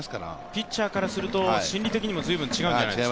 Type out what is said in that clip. ピッチャーからすると心理的にもずいぶん違うんじゃないですか？